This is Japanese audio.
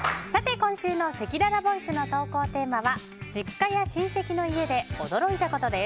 今週のせきららボイスの投稿テーマは実家や親戚の家で驚いたことです。